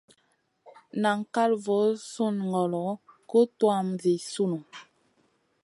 Nan kal voo sùn ŋolo guʼ tuwmaʼ Zi sunu.